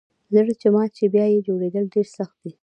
زړه چي مات سي بیا یه جوړیدل ډیر سخت دئ